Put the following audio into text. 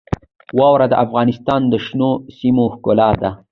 واوره د افغانستان د شنو سیمو ښکلا ده.